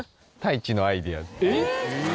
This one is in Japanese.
「えっ！